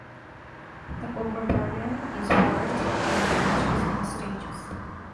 The overburden is worked in benches in stages.